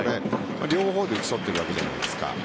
両方で打ち取っているわけじゃないですか。